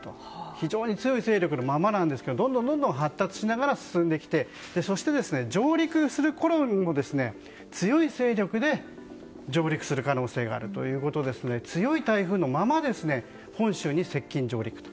非常に強い勢力のままですがどんどんと発達しながら進んできて上陸するころにも強い勢力で上陸する可能性があるということですので強い台風のまま本州に接近・上陸と。